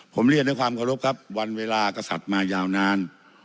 ผมเรียนด้วยความเคารพครับวันเวลากษัตริย์มายาวนาน